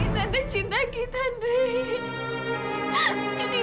tanda cinta kita ndre